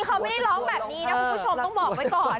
เขาไม่ได้ร้องแบบนี้นะคุณผู้ชมต้องบอกไว้ก่อน